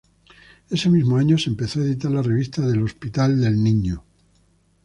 Ese mismo año se empezó a editar la revista del Hospital del Niño.